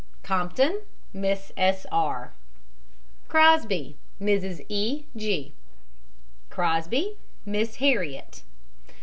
COMPTON, MISS S. R. CROSBY, MRS. E. G. CROSBY, MISS HARRIET.